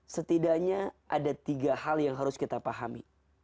setidaknya ada tiga hal yang harus kita pahami